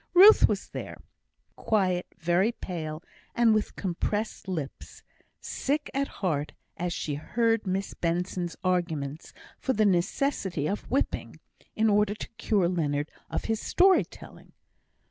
Ruth was there, quiet, very pale, and with compressed lips, sick at heart as she heard Miss Benson's arguments for the necessity of whipping, in order to cure Leonard of his story telling.